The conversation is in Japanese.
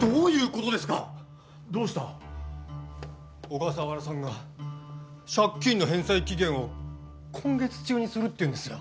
小笠原さんが借金の返済期限を今月中にするっていうんですよ